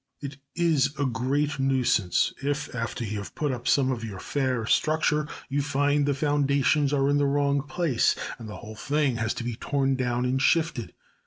It is a great nuisance if, after you have put up some of your fair structure, you find the foundations are in the wrong place and the whole thing has to be torn down and shifted.